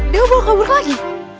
dia belum kabur lagi